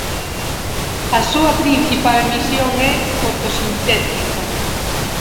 A súa principal misión é fotosintética.